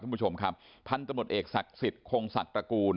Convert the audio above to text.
คุณผู้ชมครับพันธมตเอกศักดิ์สิทธิ์คงศักดิ์ตระกูล